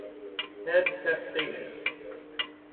Head testaceous.